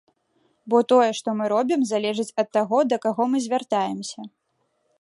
Бо тое, што мы робім, залежыць ад таго, да каго мы звяртаемся.